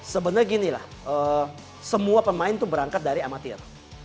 sebenarnya ginilah semua pemain tuh berangkat dari amatir